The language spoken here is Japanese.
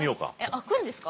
開くんですか？